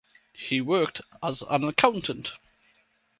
He worked as an accountant.